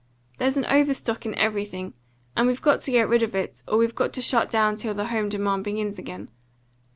There's an overstock in everything, and we've got to get rid of it, or we've got to shut down till the home demand begins again.